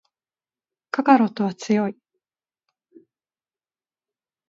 カカロットは強い